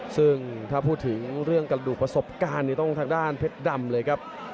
ซึ่งถ้าพูดถึงเรื่องกระดูกประสบการณ์ต้องทางด้านเพชรดำเลยครับ